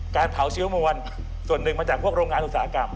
การเผาเชื้อมวลส่วนหนึ่งมาจากพวกโรงงานอุตสาหกรรม